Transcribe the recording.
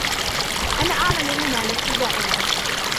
أنا أعمل هنا. لست زائرا.